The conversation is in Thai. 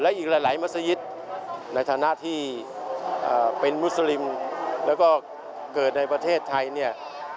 อีกหลายมัศยิตในฐานะที่เป็นมุสลิมแล้วก็เกิดในประเทศไทยเนี่ย